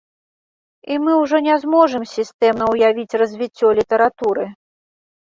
І мы ўжо не зможам сістэмна ўявіць развіццё літаратуры.